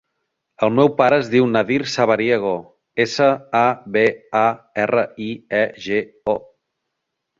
El meu pare es diu Nadir Sabariego: essa, a, be, a, erra, i, e, ge, o.